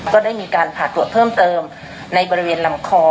ก็ได้มีการผ่าตรวจเพิ่มเติมในบริเวณลำคอ